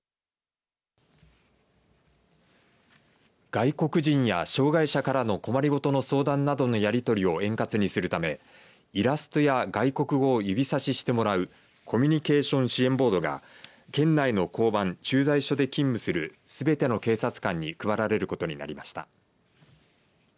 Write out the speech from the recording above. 外国人や障害者からの困りごとの相談などのやり取りを円滑にするためイラストや外国語を指さししてもらうコミュニケーション支援ボードが県内の交番、駐在所で勤務するすべての警察官に配られることになりました。